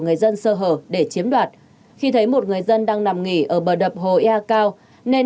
người dân sơ hở để chiếm đoạt khi thấy một người dân đang nằm nghỉ ở bờ đập hồ ya cao nên